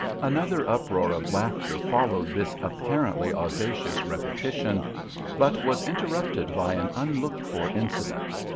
Another uproar of laughter followed this apparently audacious repetition, but was interrupted by an unlooked for incident.